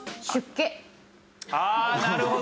あなるほど。